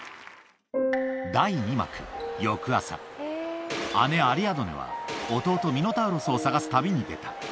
第２幕、翌朝、姉、アリアドネは、弟、ミノタウロスを捜す旅に出た。